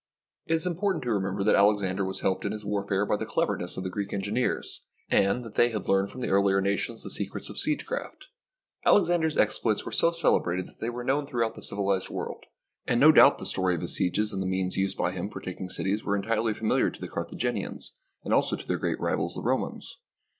It is important to remember that Alexander was helped in his warfare by the cleverness of the Greek engineers, and that they had learned from the ear lier nations the secrets of siegecraft. Alexander's exploits were so celebrated that they were known throughout the civilised world, and no doubt the story of his sieges and the means used by him for taking cities were entirely familiar to the Cartha ginians and also to their great rivals, the Romans.